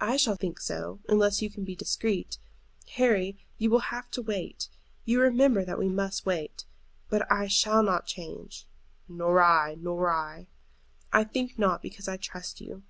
"I shall think so, unless you can be discreet. Harry, you will have to wait. You will remember that we must wait; but I shall not change." "Nor I, nor I." "I think not, because I trust you.